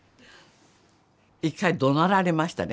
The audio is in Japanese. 一回どなられましたね